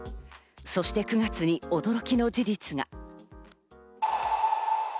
そして９月に驚きの事実が。